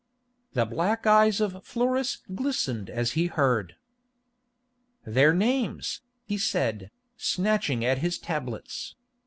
The black eyes of Florus glistened as he heard. "Their names," he said, snatching at his tablets.